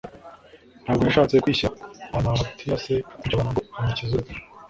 ntabwo yashatse kwishyira ahantu hahatira Se kumutabara ngo amukize urupfu.